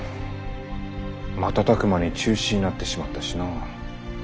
瞬く間に中止になってしまったしな。